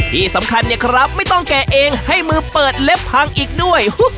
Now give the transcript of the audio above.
ที่สำคัญเนี่ยครับไม่ต้องแกะเองให้มือเปิดเล็บพังอีกด้วย